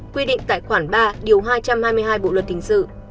quy định tại khoản ba điều hai trăm hai mươi hai bộ luật hình sự